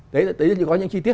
đấy là có những chi tiết